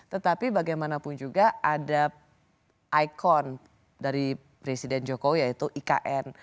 tetapi bagaimanapun juga ada ikon dari presiden jokowi yaitu ikn